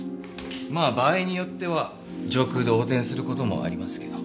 まあ場合によっては上空で横転する事もありますけど。